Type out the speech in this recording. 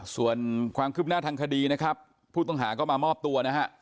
ส่วนความคืบหน้าทางคดีนะครับผู้ต้องหาก็มามอบตัวนะฮะ